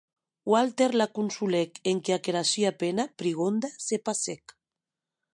Walter la consolèc enquia qu’era sua pena prigonda se passèc.